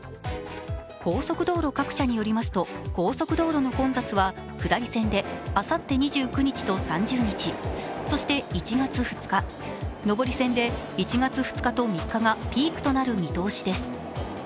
高速道路各社によりますと高速道路の混雑は下り線であさって２９日と３０日、そして１月２日、上り線で１月２日と３日がピークとなる見通しです。